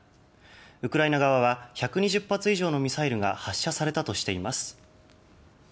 ウクライナ側は１２０発以上のミサイルが発射されたとしています。